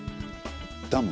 ダム？